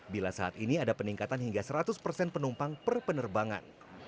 bila saat ini ada peningkatan hingga seratus persen penumpang per penerbangan